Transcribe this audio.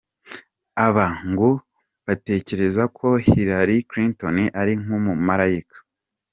Aba ngo batekereza ko Helaly Clinton ari nk’ umumarayika.